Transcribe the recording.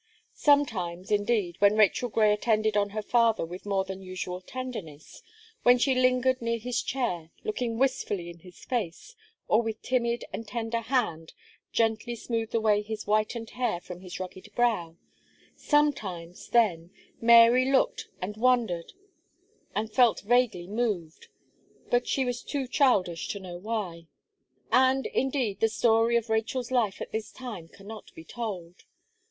Sometimes, indeed, when Rachel Gray attended on her father with more than usual tenderness, when she lingered near his chair, looking wistfully in his face, or with timid and tender hand gently smoothed away his whitened hair from his rugged brow, sometimes, then, Mary looked and wondered, and felt vaguely moved, but she was too childish to know why. And, indeed, the story of Rachel's life at this time cannot be told.